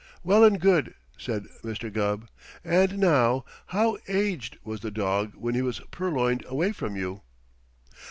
"Well and good," said Mr. Gubb. "And now, how aged was the dog when he was purloined away from you?"